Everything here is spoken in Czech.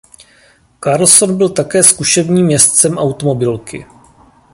Carlsson byl také zkušebním jezdcem automobilky.